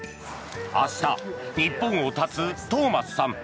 明日、日本を発つトーマスさん。